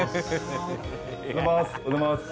おはようございます。